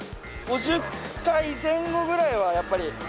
５０回前後ぐらいはやっぱり。